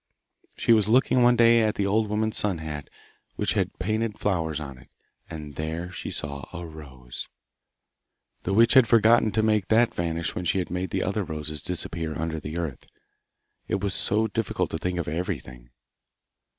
She was looking one day at the old woman's sun hat which had hte painted flowers on it, and there she saw a rose. The witch had forgotten to make that vanish when she had made the other roses disappear under the earth. it was so difficult to think of everything.